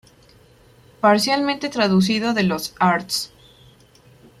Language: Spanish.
Parcialmente traducido de los Arts.